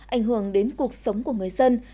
ảnh hưởng đến cuộc sống của người dân